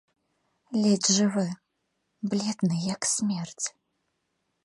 Ледзь жывы, бледны як смерць.